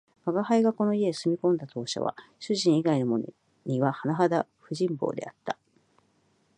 吾輩がこの家へ住み込んだ当時は、主人以外のものにははなはだ不人望であった